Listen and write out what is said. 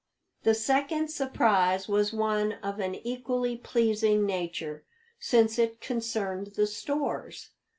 The second surprise was one of an equally pleasing nature, since it concerned the stores.